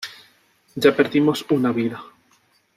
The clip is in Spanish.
Ya perdimos una vida.